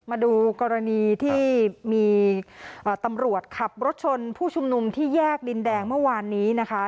มาดูกรณีที่มีตำรวจขับรถชนผู้ชุมนุมที่แยกดินแดงเมื่อวานนี้นะคะ